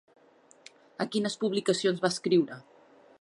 A quines publicacions va escriure?